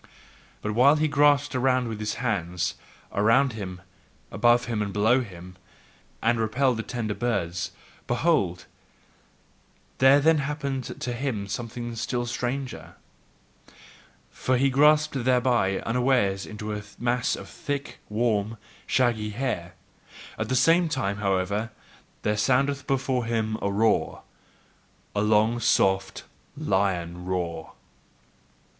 But while he grasped about with his hands, around him, above him and below him, and repelled the tender birds, behold, there then happened to him something still stranger: for he grasped thereby unawares into a mass of thick, warm, shaggy hair; at the same time, however, there sounded before him a roar, a long, soft lion roar.